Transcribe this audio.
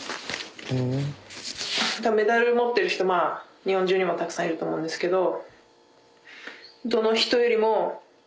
多分メダル持ってる人まあ日本中にもたくさんいると思うんですけど。